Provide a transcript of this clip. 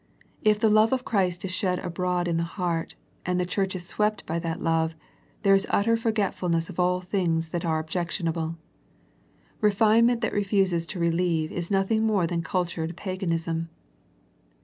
If the love of Christ is shed abroad in the heart, and the church is swept by that love, there is utter forgetfulness of all the things that are objectionable. Refinement that refuses to re lieve is nothing more than cultured paganism.